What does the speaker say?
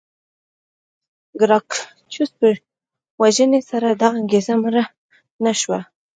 ګراکچوس په وژنې سره دا انګېزه مړه نه شوه.